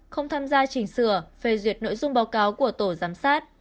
không tham gia chỉnh sửa phê duyệt nội dung báo cáo của tổ giám sát